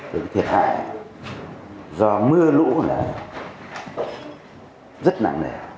thì thiệt hại do mưa lũ này rất nặng nề